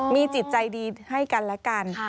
มีจิตใจดีให้กันและกัน